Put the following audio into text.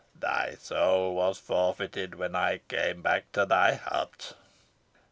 Thy soul was forfeited when I came back to thy hut."